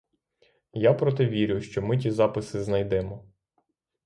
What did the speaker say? Я, проте, вірю, що ми ті записи знайдемо.